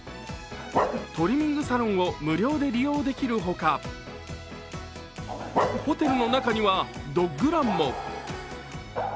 トリミングサロンを無料で利用できるほか、ホテルの中にはドッグランも。